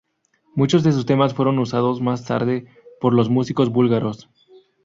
Muchos de sus temas fueron usados, más tarde, por los músicos búlgaros.